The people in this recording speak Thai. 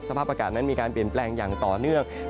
สภาพอากาศนั้นมีการเปลี่ยนแปลงอย่างต่อเนื่อง